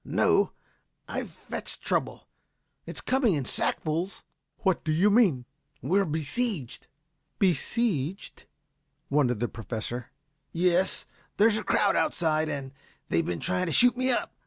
"No, but I've fetched trouble. It's coming in sackfuls." "What do you mean?" "We're besieged." "Besieged?" wondered the Professor. "Yes; there's a crowd outside, and they've been trying to shoot me up.